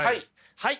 はい！